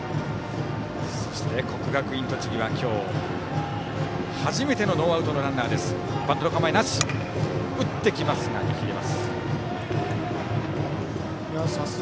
国学院栃木は今日初めてのノーアウトのランナーです。